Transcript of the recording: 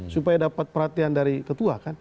supaya dapat perhatian dari ketua kan